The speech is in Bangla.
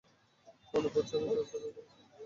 মনে পড়ছে, আমি গাছ ধরে রেখেছিলাম।